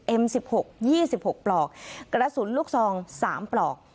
เอ็มสิบหกยี่สิบหกปลอกกระสุนลูกซองสามปลอก